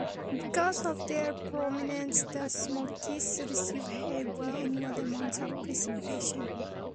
Because of their prominence, the Smokies receive heavy annual amounts of precipitation.